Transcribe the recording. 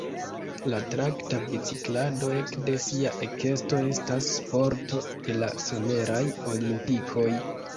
La traka biciklado ekde sia ekesto estas sporto de la Someraj Olimpikoj.